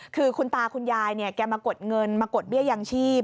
คือคุณตาคุณยายมากดเงินมากดเบี้ยอย่างชีพ